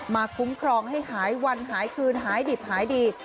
คุ้มครองให้หายวันหายคืนหายดิบหายดี